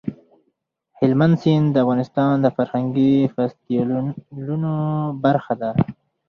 هلمند سیند د افغانستان د فرهنګي فستیوالونو برخه ده.